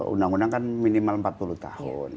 undang undang kan minimal empat puluh tahun